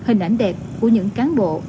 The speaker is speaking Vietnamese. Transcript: hình ảnh đẹp của những cán bộ